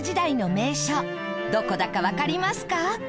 どこだかわかりますか？